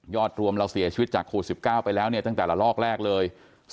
รวมเราเสียชีวิตจากโควิด๑๙ไปแล้วเนี่ยตั้งแต่ละลอกแรกเลย